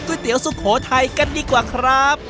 เตี๋ยสุโขทัยกันดีกว่าครับ